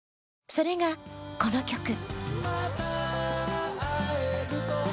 それが、この曲。